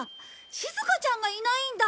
しずかちゃんがいないんだ！